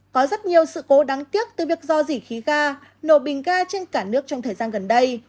có rất nhiều sự cố đáng tiếc từ việc do dỉ khí ga nổ bình ga trên cả nước trong thời gian gần đây